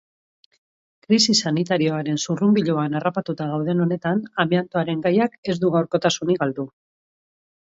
Krisi sanitarioaren zurrunbiloan harrapatuta gauden honetan, amiantoaren gaiak ez du gaurkotasunik galdu.